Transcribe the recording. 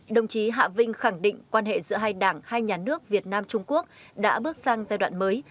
đồng chí hạ vinh khẳng định quan hệ giữa hai đảng hai nhà nước việt nam trung quốc đã bước sang giai đoạn mới